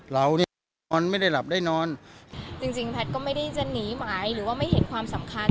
เราเนี่ยออนไม่ได้หลับได้นอนจริงจริงแพทย์ก็ไม่ได้จะหนีหมายหรือว่าไม่เห็นความสำคัญ